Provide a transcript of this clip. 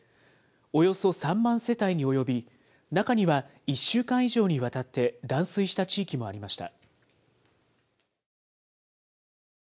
およそ３万世帯に及び、中には１週間以上にわたって、断水した地域もありました。